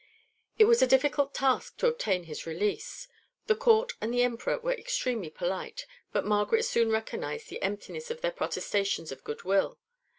It was a difficult task to obtain his release. The Court and the Emperor were extremely polite, but Margaret soon recognised the emptiness of their protestations of good will.